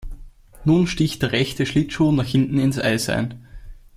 Nun sticht der rechte Schlittschuh nach hinten ins Eis ein.